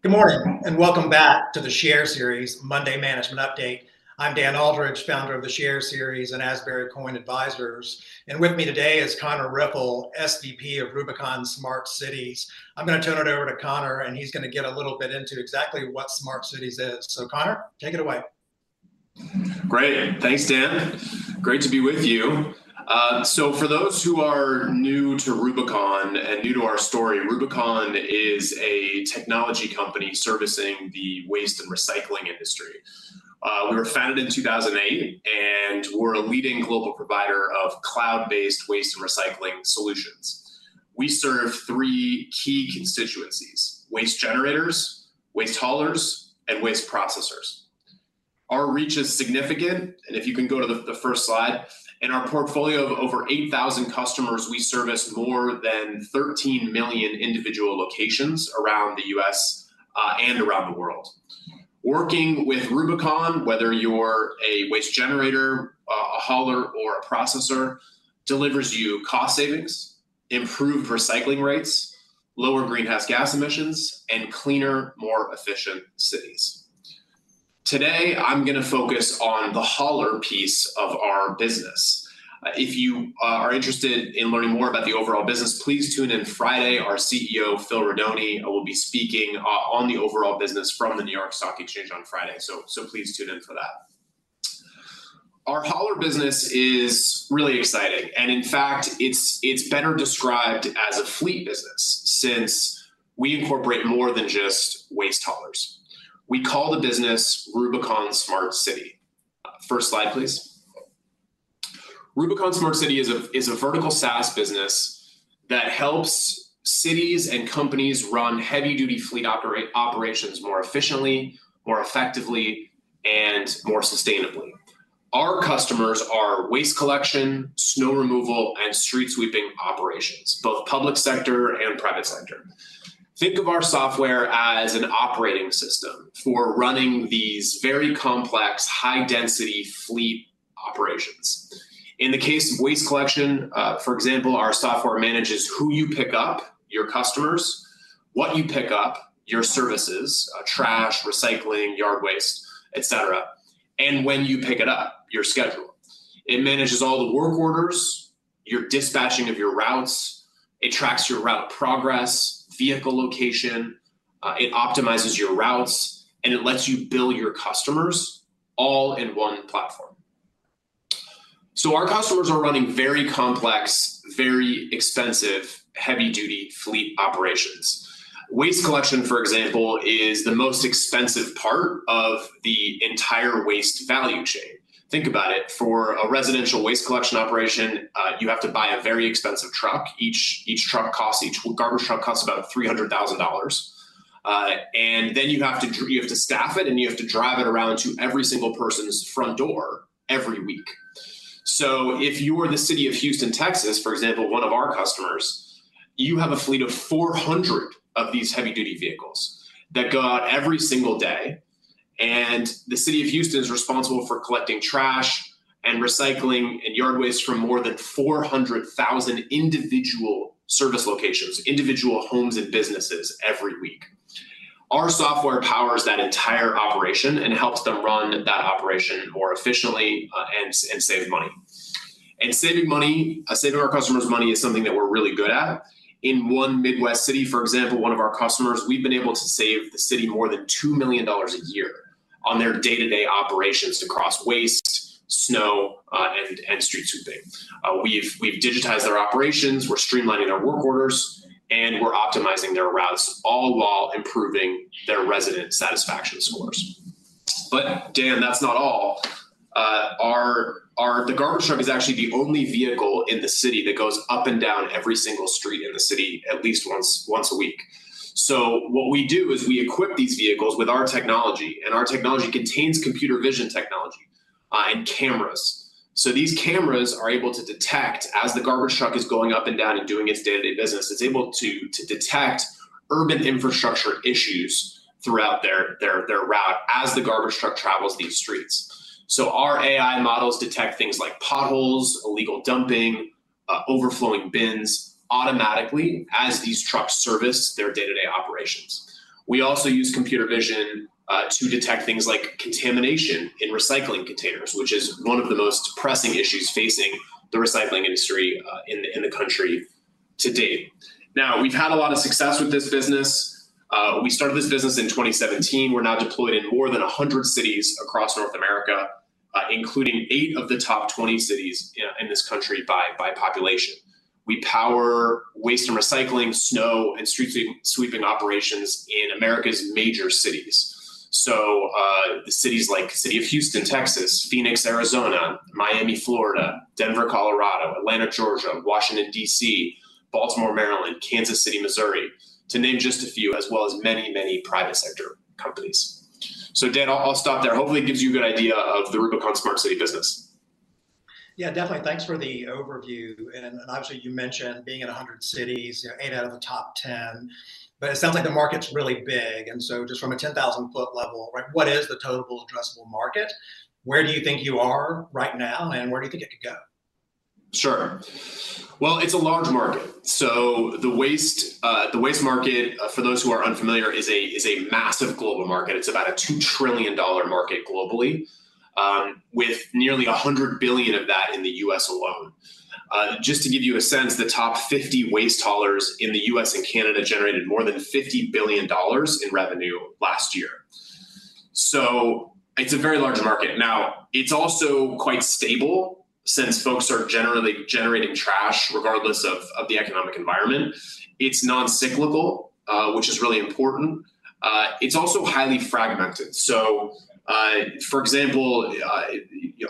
Good morning, and welcome back to the Share Series, Monday Management Update. I'm Dan Aldridge, founder of the Share Series and Asbury & Coyne Advisors, and with me today is Conor Riffle, SVP of Rubicon Smart Cities. I'm gonna turn it over to Conor, and he's gonna get a little bit intoexactly what Smart Cities is. So Conor, take it away. Great. Thanks, Dan. Great to be with you. So for those who are new to Rubicon and new to our story, Rubicon is a technology company servicing the waste and recycling industry. We were founded in 2008, and we're a leading global provider of cloud-based waste and recycling solutions. We serve three key constituencies: waste generators, waste haulers, and waste processors. Our reach is significant, and if you can go to the first slide, in our portfolio of over 8,000 customers, we service more than 13 million individual locations around the U.S., and around the world. Working with Rubicon, whether you're a waste generator, a hauler, or a processor, delivers you cost savings, improved recycling rates, lower greenhouse gas emissions, and cleaner, more efficient cities. Today, I'm gonna focus on the hauler piece of our business. If you are interested in learning more about the overall business, please tune in Friday. Our CEO, Phil Rodoni, will be speaking on the overall business from the New York Stock Exchange on Friday, so please tune in for that. Our hauler business is really exciting, and in fact, it's better described as a fleet business since we incorporate more than just waste haulers. We call the business Rubicon Smart City. First slide, please. Rubicon Smart City is a vertical SaaS business that helps cities and companies run heavy-duty fleet operations more efficiently, more effectively, and more sustainably. Our customers are waste collection, snow removal, and street sweeping operations, both public sector and private sector. Think of our software as an operating system for running these very complex, high-density fleet operations. In the case of waste collection, for example, our software manages who you pick up, your customers, what you pick up, your services, trash, recycling, yard waste, et cetera, and when you pick it up, your schedule. It manages all the work orders, your dispatching of your routes, it tracks your route progress, vehicle location, it optimizes your routes, and it lets you bill your customers all in one platform. So our customers are running very complex, very expensive, heavy-duty fleet operations. Waste collection, for example, is the most expensive part of the entire waste value chain. Think about it, for a residential waste collection operation, you have to buy a very expensive truck. Each truck costs, each garbage truck costs about $300,000. and then you have to staff it, and you have to drive it around to every single person's front door every week. So if you were the City of Houston, Texas, for example, one of our customers, you have a fleet of 400 of these heavy-duty vehicles that go out every single day, and the City of Houston is responsible for collecting trash and recycling and yard waste from more than 400,000 individual service locations, individual homes and businesses every week. Our software powers that entire operation and helps them run that operation more efficiently, and save money. Saving money, saving our customers money is something that we're really good at. In one Midwest city, for example, one of our customers, we've been able to save the city more than $2 million a year on their day-to-day operations across waste, snow, and street sweeping. We've digitized their operations, we're streamlining their work orders, and we're optimizing their routes, all while improving their resident satisfaction scores. But Dan, that's not all. The garbage truck is actually the only vehicle in the city that goes up and down every single street in the city at least once a week. So what we do is we equip these vehicles with our technology, and our technology contains computer vision technology, and cameras. So these cameras are able to detect, as the garbage truck is going up and down and doing its day-to-day business, it's able to detect urban infrastructure issues throughout their route as the garbage truck travels these streets. So our AI models detect things like potholes, illegal dumping, overflowing bins automatically as these trucks service their day-to-day operations. We also use computer vision to detect things like contamination in recycling containers, which is one of the most pressing issues facing the recycling industry in the country to date. Now, we've had a lot of success with this business. We started this business in 2017. We're now deployed in more than 100 cities across North America, including 8 of the top 20 cities in this country by population. We power waste and recycling, snow, and street sweeping, sweeping operations in America's major cities. So, cities like City of Houston, Texas, Phoenix, Arizona, Miami, Florida, Denver, Colorado, Atlanta, Georgia, Washington, D.C., Baltimore, Maryland, Kansas City, Missouri, to name just a few, as well as many, many private sector companies. So Dan, I'll stop there. Hopefully, it gives you a good idea of the Rubicon Smart City business. Yeah, definitely. Thanks for the overview, and obviously, you mentioned being in 100 cities, you know, eight out of the top 10, but it sounds like the market's really big. So just from a 10,000-foot level, right, what is the total addressable market? Where do you think you are right now, and where do you think it could go?... Sure. Well, it's a large market, so the waste, the waste market, for those who are unfamiliar, is a massive global market. It's about a $2 trillion market globally, with nearly $100 billion of that in the US alone. Just to give you a sense, the top 50 waste haulers in the US and Canada generated more than $50 billion in revenue last year. So it's a very large market. Now, it's also quite stable, since folks are generally generating trash regardless of the economic environment. It's non-cyclical, which is really important. It's also highly fragmented. So, for example,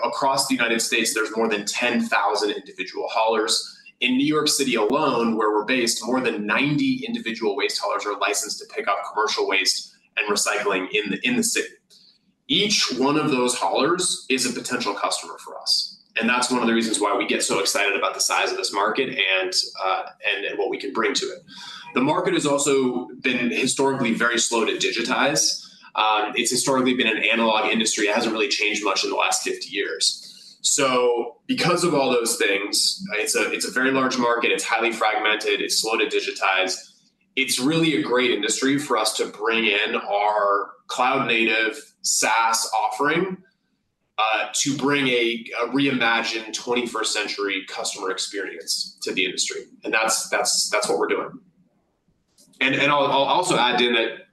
across the United States, there's more than 10,000 individual haulers. In New York City alone, where we're based, more than 90 individual waste haulers are licensed to pick up commercial waste and recycling in the city. Each one of those haulers is a potential customer for us, and that's one of the reasons why we get so excited about the size of this market and what we can bring to it. The market has also been historically very slow to digitize. It's historically been an analog industry. It hasn't really changed much in the last 50 years. So because of all those things, it's a very large market, it's highly fragmented, it's slow to digitize, it's really a great industry for us to bring in our cloud-native SaaS offering to bring a reimagined 21st century customer experience to the industry, and that's what we're doing. I'll also add in that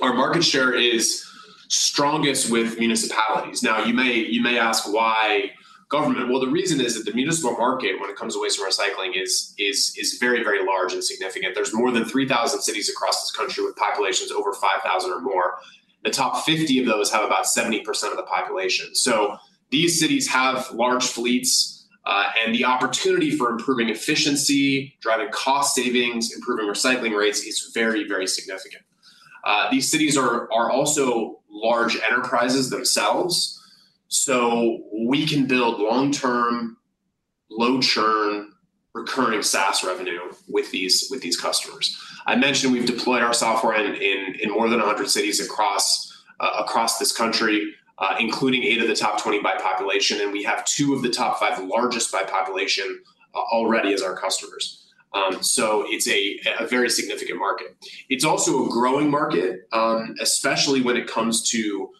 our market share is strongest with municipalities. Now, you may ask, "Why government?" Well, the reason is that the municipal market, when it comes to waste and recycling, is very large and significant. There's more than 3,000 cities across this country with populations over 5,000 or more. The top 50 of those have about 70% of the population. So these cities have large fleets, and the opportunity for improving efficiency, driving cost savings, improving recycling rates is very significant. These cities are also large enterprises themselves, so we can build long-term, low-churn, recurring SaaS revenue with these customers. I mentioned we've deployed our software in more than 100 cities across this country, including 8 of the top 20 by population, and we have 2 of the top 5 largest by population already as our customers. So it's a very significant market. It's also a growing market, especially when it comes to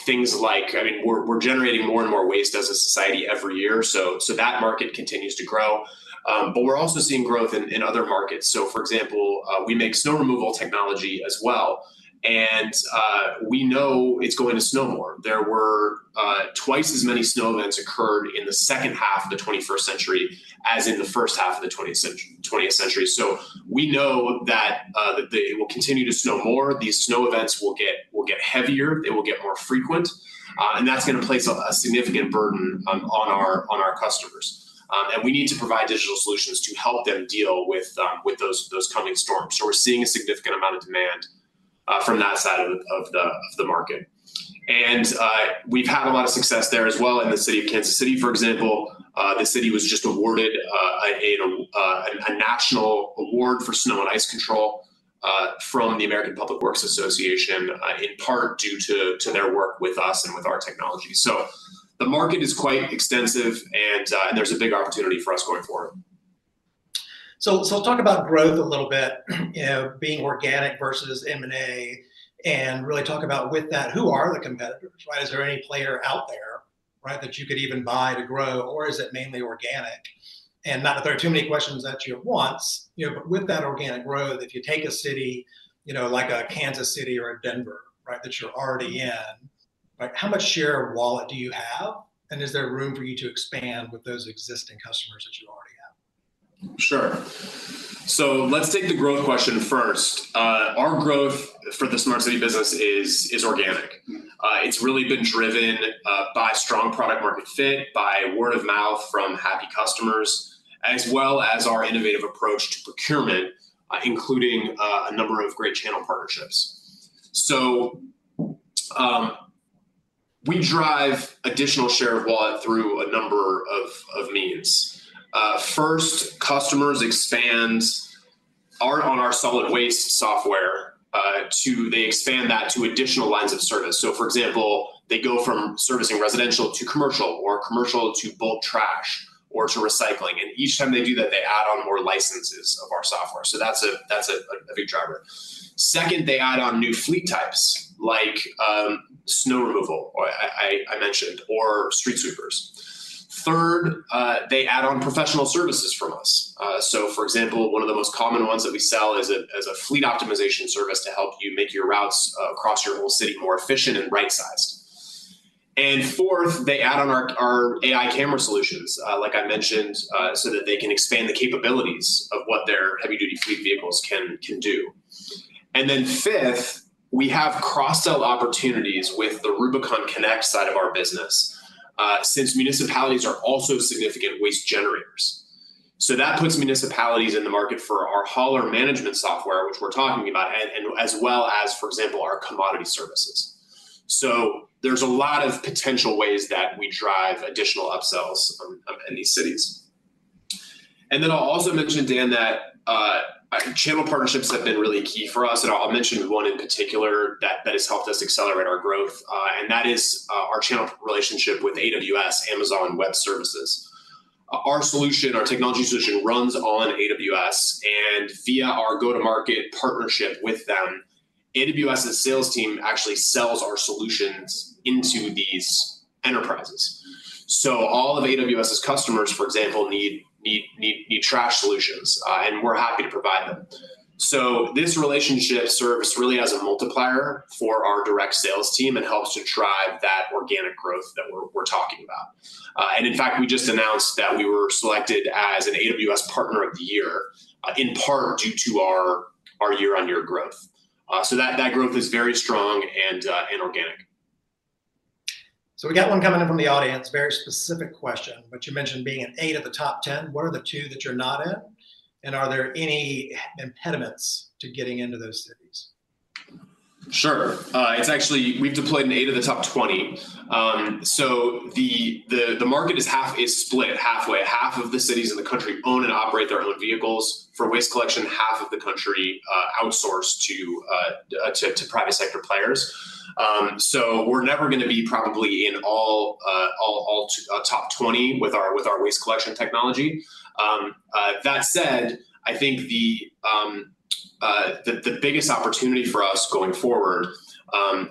things like... I mean, we're generating more and more waste as a society every year, so that market continues to grow. But we're also seeing growth in other markets. So for example, we make snow removal technology as well, and we know it's going to snow more. There were twice as many snow events occurred in the second half of the 21st century as in the first half of the 20th century. So we know that it will continue to snow more. These snow events will get heavier. They will get more frequent, and that's going to place a significant burden on our customers. We need to provide digital solutions to help them deal with those coming storms. So we're seeing a significant amount of demand from that side of the market. And we've had a lot of success there as well in the city of Kansas City, for example. The city was just awarded a national award for snow and ice control from the American Public Works Association, in part due to their work with us and with our technology. So the market is quite extensive, and there's a big opportunity for us going forward. So let's talk about growth a little bit, you know, being organic versus M&A, and really talk about with that, who are the competitors, right? Is there any player out there, right, that you could even buy to grow, or is it mainly organic? And not that there are too many questions at you at once, you know, but with that organic growth, if you take a city, you know, like a Kansas City or a Denver, right, that you're already in, right, how much share of wallet do you have, and is there room for you to expand with those existing customers that you already have? Sure. So let's take the growth question first. Our growth for the Smart City business is organic. It's really been driven by strong product-market fit, by word of mouth from happy customers, as well as our innovative approach to procurement, including a number of great channel partnerships. So, we drive additional share of wallet through a number of means. First, customers expand our solid waste software to additional lines of service. So for example, they go from servicing residential to commercial, or commercial to bulk trash, or to recycling, and each time they do that, they add on more licenses of our software, so that's a big driver. Second, they add on new fleet types, like snow removal, or I mentioned, or street sweepers. Third, they add on professional services from us. So for example, one of the most common ones that we sell is a fleet optimization service to help you make your routes across your whole city more efficient and right-sized. And fourth, they add on our AI camera solutions, like I mentioned, so that they can expand the capabilities of what their heavy-duty fleet vehicles can do. And then fifth, we have cross-sell opportunities with the Rubicon Connect side of our business, since municipalities are also significant waste generators. So that puts municipalities in the market for our hauler management software, which we're talking about, and as well as, for example, our commodity services. So there's a lot of potential ways that we drive additional upsales in these cities. And then I'll also mention, Dan, that channel partnerships have been really key for us, and I'll mention one in particular that has helped us accelerate our growth, and that is our channel relationship with AWS, Amazon Web Services. Our solution, our technology solution runs on AWS, and via our go-to-market partnership with them, AWS's sales team actually sells our solutions into these enterprises. So all of AWS's customers, for example, need trash solutions, and we're happy to provide them. So this relationship serves really as a multiplier for our direct sales team and helps to drive that organic growth that we're talking about. And in fact, we just announced that we were selected as an AWS Partner of the Year, in part due to our year-on-year growth. So that growth is very strong and organic. So we got one coming in from the audience, very specific question, but you mentioned being in eight of the top 10. What are the two that you're not in, and are there any impediments to getting into those cities? Sure. Actually, we've deployed in eight of the top 20. So the market is split halfway. Half of the cities in the country own and operate their own vehicles for waste collection, half of the country outsource to private sector players. So we're never gonna be probably in all top 20 with our waste collection technology. That said, I think the biggest opportunity for us going forward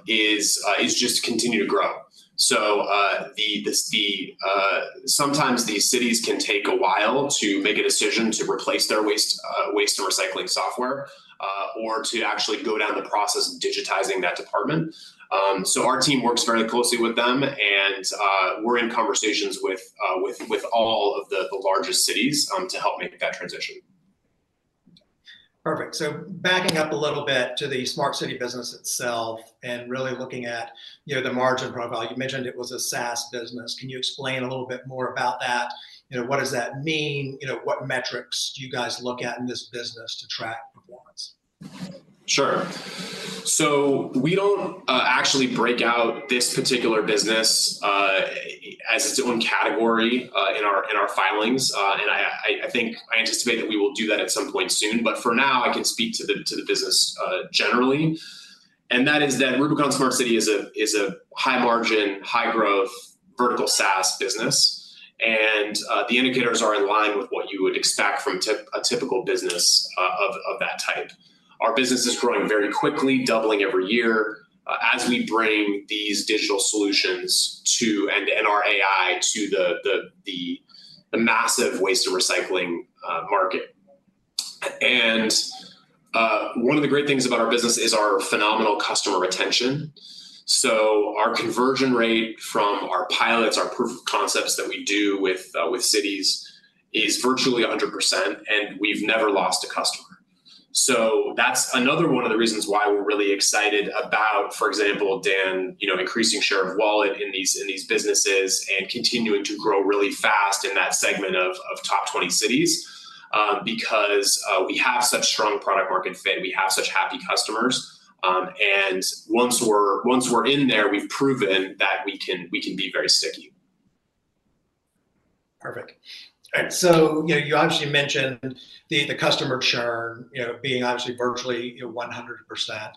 is just to continue to grow. So sometimes these cities can take a while to make a decision to replace their waste and recycling software or to actually go down the process of digitizing that department. So our team works very closely with them, and we're in conversations with all of the largest cities to help make that transition. Perfect. So backing up a little bit to the Smart City business itself and really looking at, you know, the margin profile, you mentioned it was a SaaS business. Can you explain a little bit more about that? You know, what does that mean? You know, what metrics do you guys look at in this business to track performance? Sure. So we don't actually break out this particular business as its own category in our filings. And I think I anticipate that we will do that at some point soon, but for now, I can speak to the business generally, and that is that Rubicon Smart City is a high-margin, high-growth, Vertical SaaS business. And the indicators are in line with what you would expect from a typical business of that type. Our business is growing very quickly, doubling every year as we bring these digital solutions to, and our AI to the massive waste and recycling market. And one of the great things about our business is our phenomenal customer retention. So our conversion rate from our pilots, our proof of concepts that we do with cities, is virtually 100%, and we've never lost a customer. So that's another one of the reasons why we're really excited about, for example, Dan, you know, increasing share of wallet in these, in these businesses and continuing to grow really fast in that segment of top 20 cities, because we have such strong product-market fit, we have such happy customers. And once we're in there, we've proven that we can be very sticky. Perfect. And so, you know, you obviously mentioned the customer churn, you know, being obviously virtually 100%.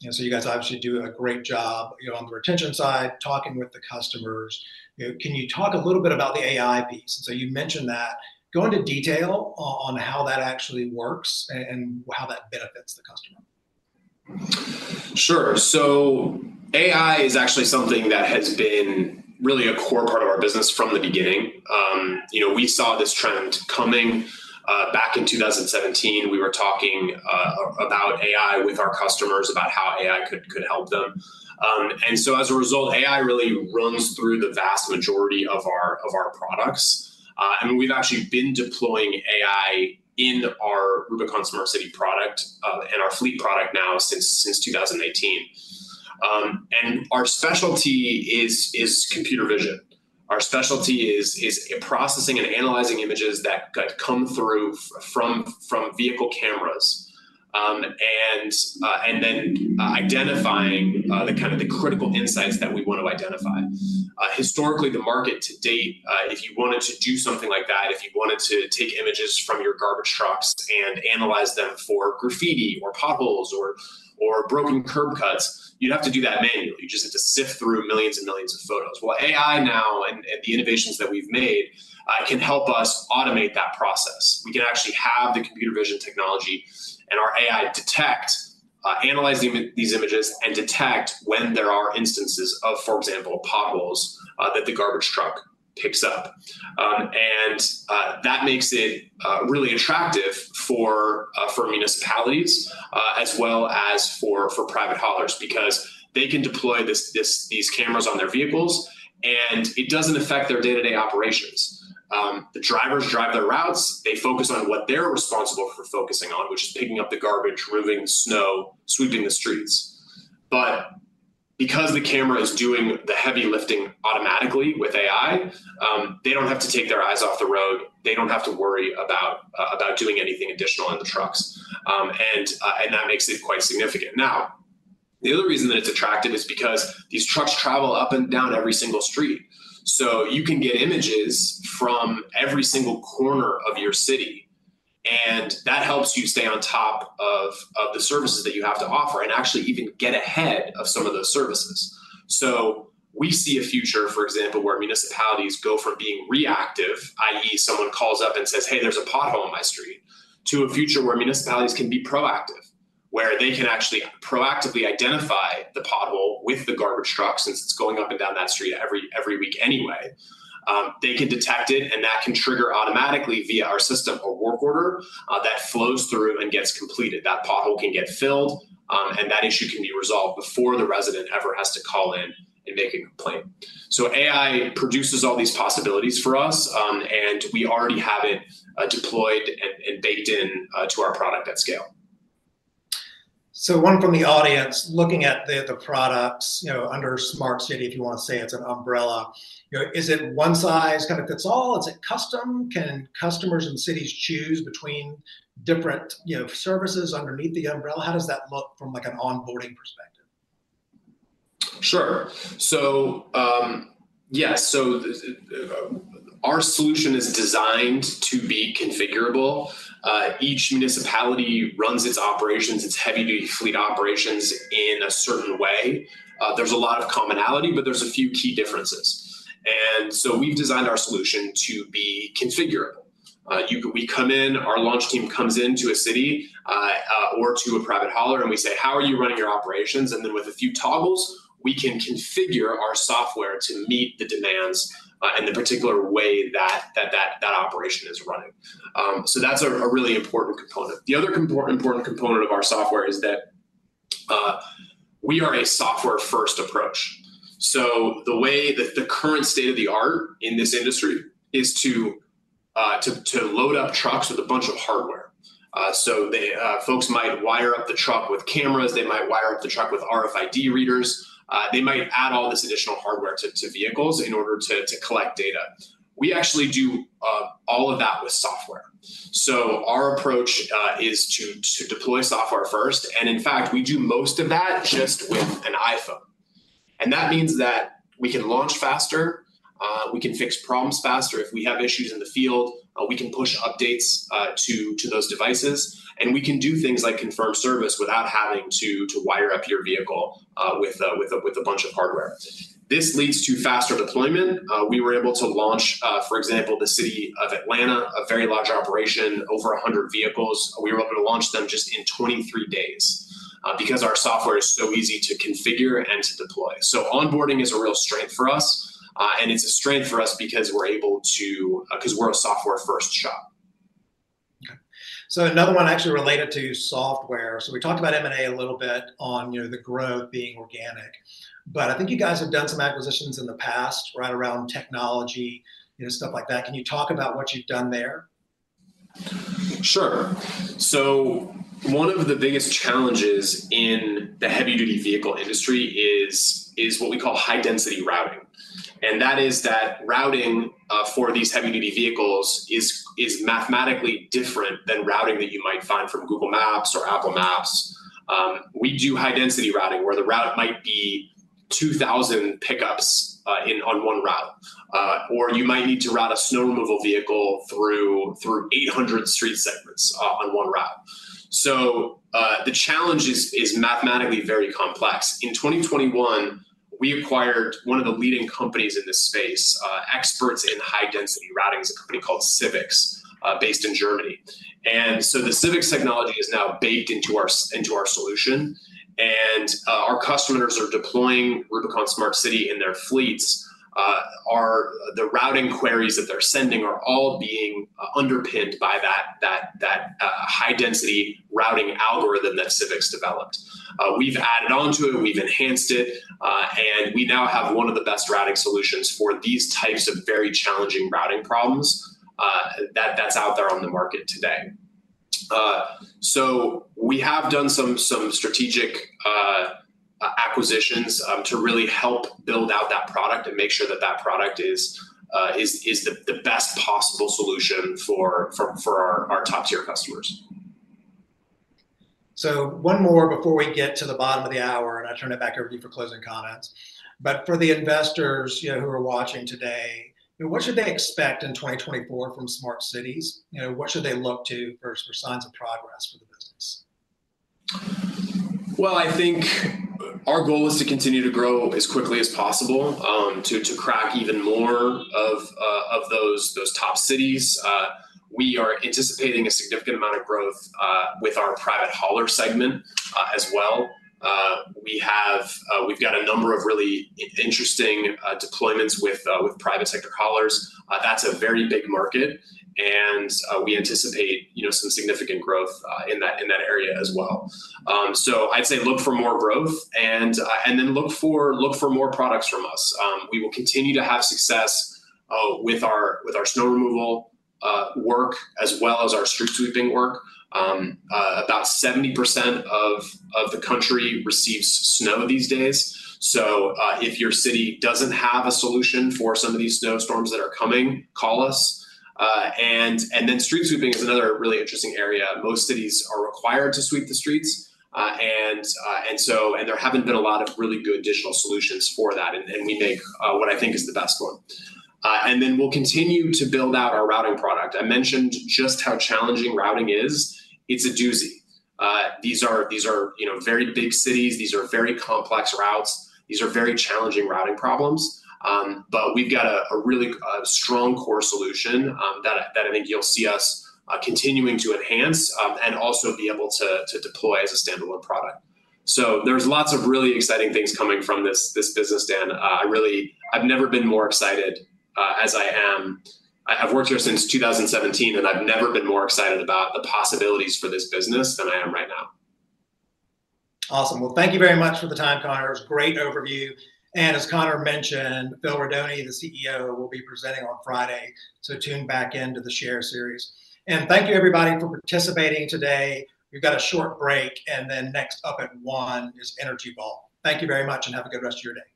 You know, so you guys obviously do a great job, you know, on the retention side, talking with the customers. You know, can you talk a little bit about the AI piece? So you mentioned that. Go into detail on how that actually works and how that benefits the customer. Sure. So AI is actually something that has been really a core part of our business from the beginning. You know, we saw this trend coming back in 2017. We were talking about AI with our customers, about how AI could help them. And so as a result, AI really runs through the vast majority of our products. I mean, we've actually been deploying AI in our Rubicon Smart City product and our fleet product now since 2018. And our specialty is computer vision. Our specialty is processing and analyzing images that come through from vehicle cameras, and then identifying the kind of the critical insights that we want to identify. Historically, the market to date, if you wanted to do something like that, if you wanted to take images from your garbage trucks and analyze them for graffiti, or potholes, or broken curb cuts, you'd have to do that manually. You'd just have to sift through millions and millions of photos. Well, AI now, and the innovations that we've made, can help us automate that process. We can actually have the Computer Vision technology and our AI detect, analyze even these images and detect when there are instances of, for example, potholes, that the garbage truck picks up. And that makes it really attractive for municipalities, as well as for private haulers, because they can deploy these cameras on their vehicles, and it doesn't affect their day-to-day operations. The drivers drive their routes. They focus on what they're responsible for focusing on, which is picking up the garbage, removing snow, sweeping the streets. But because the camera is doing the heavy lifting automatically with AI, they don't have to take their eyes off the road. They don't have to worry about doing anything additional in the trucks, and that makes it quite significant. The other reason that it's attractive is because these trucks travel up and down every single street. So you can get images from every single corner of your city, and that helps you stay on top of the services that you have to offer, and actually even get ahead of some of those services. So we see a future, for example, where municipalities go from being reactive, i.e., someone calls up and says, "Hey, there's a pothole on my street," to a future where municipalities can be proactive, where they can actually proactively identify the pothole with the garbage truck, since it's going up and down that street every week anyway. They can detect it, and that can trigger automatically, via our system, a work order that flows through and gets completed. That pothole can get filled, and that issue can be resolved before the resident ever has to call in and make a complaint. So AI produces all these possibilities for us, and we already have it deployed and baked in to our product at scale. So one from the audience, looking at the products, you know, under Smart City, if you want to say it's an umbrella, you know, is it one size kind of fits all? Is it custom? Can customers and cities choose between different, you know, services underneath the umbrella? How does that look from, like, an onboarding perspective? Sure. Our solution is designed to be configurable. Each municipality runs its operations, its heavy-duty fleet operations, in a certain way. There's a lot of commonality, but there's a few key differences, and so we've designed our solution to be configurable. We come in, our launch team comes into a city, or to a private hauler, and we say, "How are you running your operations?" And then with a few toggles, we can configure our software to meet the demands, and the particular way that operation is running. That's a really important component. The other important component of our software is that we are a software-first approach. The way that the current state-of-the-art in this industry is to load up trucks with a bunch of hardware. So they, folks, might wire up the truck with cameras. They might wire up the truck with RFID readers. They might add all this additional hardware to vehicles in order to collect data. We actually do all of that with software. So our approach is to deploy software first, and in fact, we do most of that just with an iPhone, and that means that we can launch faster, we can fix problems faster. If we have issues in the field, we can push updates to those devices, and we can do things like confirm service without having to wire up your vehicle with a bunch of hardware. This leads to faster deployment. We were able to launch, for example, the city of Atlanta, a very large operation, over a hundred vehicles. We were able to launch them just in 23 days, because our software is so easy to configure and to deploy. So onboarding is a real strength for us, and it's a strength for us because we're a software-first shop. Okay, so another one actually related to software. So we talked about M&A a little bit on, you know, the growth being organic, but I think you guys have done some acquisitions in the past right around technology, you know, stuff like that. Can you talk about what you've done there? Sure. So one of the biggest challenges in the heavy-duty vehicle industry is what we call high-density routing, and that is that routing for these heavy-duty vehicles is mathematically different than routing that you might find from Google Maps or Apple Maps. We do high-density routing, where the route might be 2,000 pickups in on one route, or you might need to route a snow removal vehicle through 800 street segments on one route. So the challenge is mathematically very complex. In 2021, we acquired one of the leading companies in this space, experts in high-density routing. It's a company called CIVIX, based in Germany. And so the CIVIX technology is now baked into our into our solution, and our customers are deploying Rubicon Smart City in their fleets. Our... The routing queries that they're sending are all being underpinned by that high-density routing algorithm that CIVIX developed. We've added on to it, and we've enhanced it, and we now have one of the best routing solutions for these types of very challenging routing problems that that's out there on the market today. So we have done some strategic acquisitions to really help build out that product and make sure that that product is the best possible solution for our top-tier customers. So one more before we get to the bottom of the hour, and I turn it back over to you for closing comments. But for the investors, you know, who are watching today, you know, what should they expect in 2024 from Smart Cities? You know, what should they look to for, for signs of progress for the business? Well, I think our goal is to continue to grow as quickly as possible, to crack even more of those top cities. We are anticipating a significant amount of growth with our private hauler segment as well. We have... We've got a number of really interesting deployments with private sector haulers. That's a very big market, and we anticipate, you know, some significant growth in that area as well. So I'd say look for more growth, and then look for more products from us. We will continue to have success with our snow removal work, as well as our street sweeping work. About 70% of the country receives snow these days. So, if your city doesn't have a solution for some of these snowstorms that are coming, call us. Then street sweeping is another really interesting area. Most cities are required to sweep the streets, and there haven't been a lot of really good digital solutions for that, and we make what I think is the best one. Then we'll continue to build out our routing product. I mentioned just how challenging routing is. It's a doozy. These are, you know, very big cities. These are very complex routes. These are very challenging routing problems. But we've got a really strong core solution that I think you'll see us continuing to enhance and also be able to deploy as a standalone product. So there's lots of really exciting things coming from this, this business, Dan. I've never been more excited as I am. I have worked here since 2017, and I've never been more excited about the possibilities for this business than I am right now. Awesome. Well, thank you very much for the time, Conor. It was a great overview, and as Conor mentioned, Phil Rodoni, the CEO, will be presenting on Friday, so tune back in to the Share Series. Thank you, everybody, for participating today. We've got a short break, and then next up at one is Energy Vault. Thank you very much, and have a good rest of your day. Bye.